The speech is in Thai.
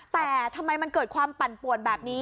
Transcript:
แต่ทำไมมันเกิดความปั่นป่วนแบบนี้